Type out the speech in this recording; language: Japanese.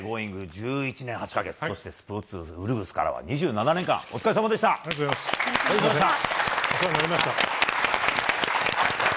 １１年８か月そして「スポーツうるぐす」からは２７年間お世話になりました。